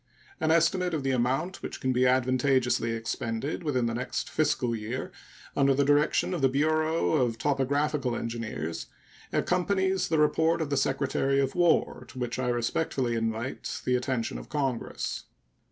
An estimate of the amount which can be advantageously expended within the next fiscal year under the direction of the Bureau of Topographical Engineers accompanies the report of the Secretary of War, to which I respectfully invite the attention of Congress.